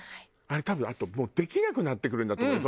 あれ多分あともうできなくなってくるんだと思う。